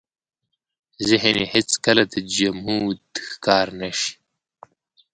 ذهن يې هېڅ کله د جمود ښکار نه شي.